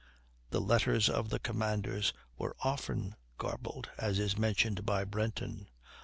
The letters of the commanders were often garbled, as is mentioned by Brenton.